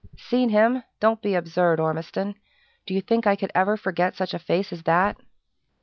"Seen him? Don't be absurd, Ormiston! Do you think I could ever forget such a face as that?"